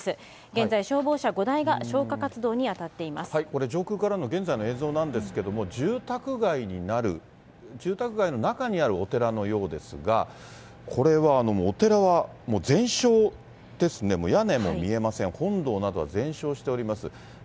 現在、消防車５台が消火活動に当これ、上空からの現在の映像なんですけれども、住宅街になる、住宅街の中にあるお寺のようですが、これはお寺はもう全焼ですね、もう屋根も見えません、本堂などは全焼しております。